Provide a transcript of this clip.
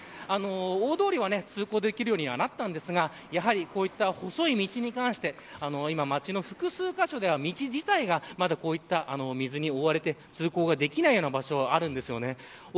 大通りは通行できるようにはなったんですがやはりこういった細い道に関して今、町の複数カ所では道自体がまだこういった水に覆われて通行ができないような場所があるんです。